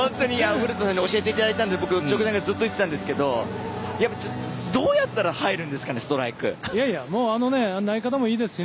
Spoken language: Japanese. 古田さんに教えていただいたので僕、直前からずっと言っていたんですがどうやったらストライクが入るんですか。